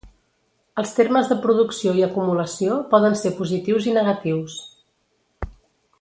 Els termes de producció i acumulació poden ser positius i negatius.